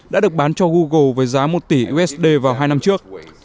đã được bán cho google với giá một tỷ usd vào hai năm trước